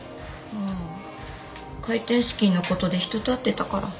開店資金の事で人と会ってたから。